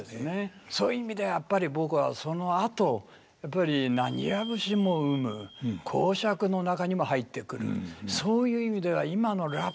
そういう意味ではやっぱり僕はそのあとやっぱり浪花節も生む講釈の中にも入ってくるそういう意味では今のラップにもねずっとつながっていく。